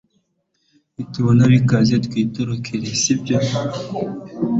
nitubona bikaze twitorokere, sibyo